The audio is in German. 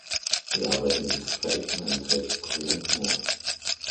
Die Arbeiten sind geprägt von einem teils skurrilen Humor.